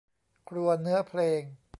ครัวเนื้อเพลง